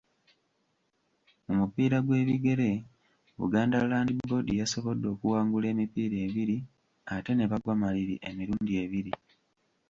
Mu mupiira gw'ebigere, Buganda Land Board yasobodde okuwangula emipiira ebiri ate ne bagwa maliri emirundi ebiri.